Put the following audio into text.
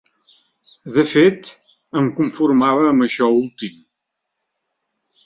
De fet, em conformava amb això últim.